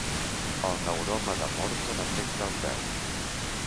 El neuroma de Morton afecta al peu.